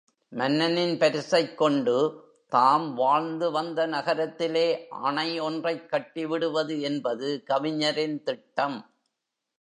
மன்னனின் பரிசைக் கொண்டு, தாம் வாழ்ந்துவந்த நகரத்திலே அணை ஒன்றைக் கட்டி விடுவது என்பது கவிஞரின் திட்டம்.